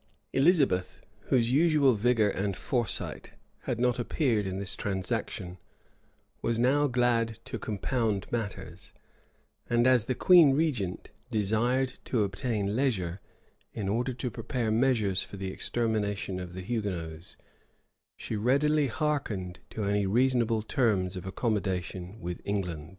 Elizabeth, whose usual vigor and foresight had not appeared in this transaction, was now glad to compound matters; and as the queen regent desired to obtain leisure, in order to prepare measures for the extermination of the Hugonots, she readily hearkened to any reasonable terms of accommodation with England.